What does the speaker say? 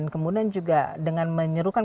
kemudian juga dengan menyerukan